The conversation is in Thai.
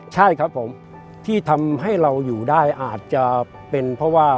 ใช่ครับผมที่ทำให้เราอยู่ได้อาจจะเป็นเพราะว่า